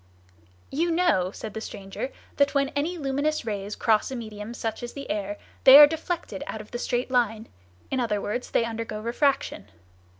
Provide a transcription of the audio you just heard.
"You know," said the stranger, "that when any luminous rays cross a medium such as the air, they are deflected out of the straight line; in other words, they undergo refraction.